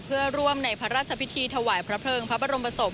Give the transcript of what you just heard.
เพื่อร่วมในพระราชพิธีถวายพระเพลิงพระบรมศพ